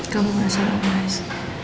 kamu merasa enak mas